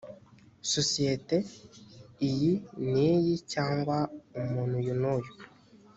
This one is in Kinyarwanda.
sosiyete iyi n iyi cyangwa umuntu uyu n uyu